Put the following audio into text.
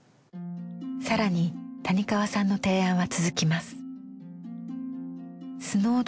更に谷川さんの提案は続きます。